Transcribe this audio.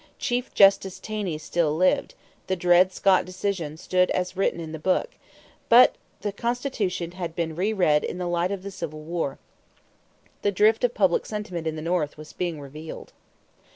Chief Justice Taney still lived, the Dred Scott decision stood as written in the book, but the Constitution had been re read in the light of the Civil War. The drift of public sentiment in the North was being revealed.